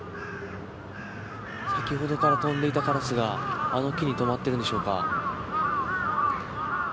先ほどから飛んでいたカラスがあの木に止まっているんでしょうか。